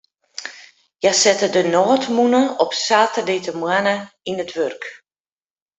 Hja sette de nôtmûne op saterdeitemoarn yn it wurk.